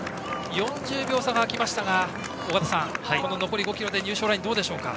４０秒差が開きましたが尾方さん、残り５ｋｍで入賞ラインはどうでしょう？